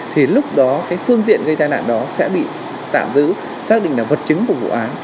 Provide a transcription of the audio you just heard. thì lúc đó cái phương tiện gây tai nạn đó sẽ bị tạm giữ xác định là vật chứng của vụ án